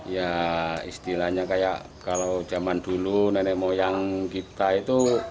ya istilahnya seperti jaman dulu nenek moyang kita itu